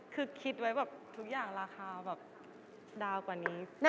คือคิดไว้แบบทุกอย่างราคาแบบดาวกว่านี้